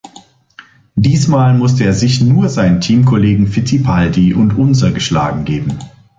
Diesmal musste er sich nur seinen Teamkollegen Fittipaldi und Unser geschlagen geben.